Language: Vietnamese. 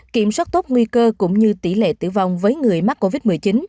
kiểm soát tốt nguy cơ cũng như tỷ lệ tử vong với người mắc covid một mươi chín